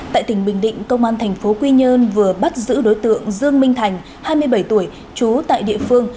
tại tỉnh bình định công an thành phố quy nhơn vừa bắt giữ đối tượng dương minh thành hai mươi bảy tuổi trú tại địa phương